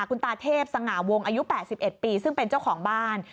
คุณตาเทพสง่าวงอายุ๘๑ปีซึ่งเป็นเจ้าของบ้าน